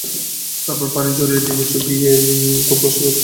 তারপর পানি ঝরিয়ে ডিমে চুবিয়ে খুব করে বিস্কুটের গুঁড়ো মাখাতে হবে।